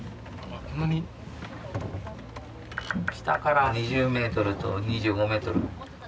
下から２０メートルと２５メートル。